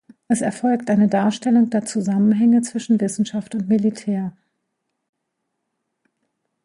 Es erfolgt eine Darstellung der Zusammenhänge zwischen Wissenschaft und Militär.